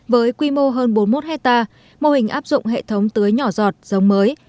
với quy mô hơn bốn mươi một hectare mô hình áp dụng hệ thống tưới nhỏ giọt giống mới